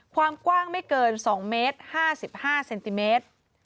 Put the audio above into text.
ความกว้างไม่เกิน๒เมตร๕๕เซนติเมตร